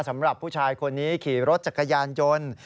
สำหรับผู้ชายคนนี้ขี่รถจักรยานยนต์